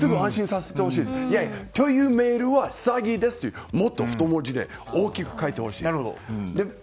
すぐ安心させてほしいです。というメールは詐欺ですっていうもっと太文字で大きく書いてほしい。